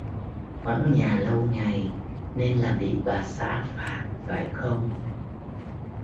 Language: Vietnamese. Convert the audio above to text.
Vắng nhà lâu ngày nên là bị bà xã phạt phải không